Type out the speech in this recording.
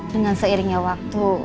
dengan seiringnya waktu